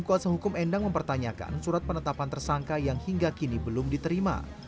kuasa hukum endang mempertanyakan surat penetapan tersangka yang hingga kini belum diterima